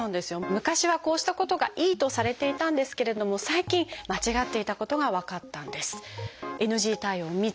昔はこうしたことがいいとされていたんですけれども最近間違っていたことが分かったんです。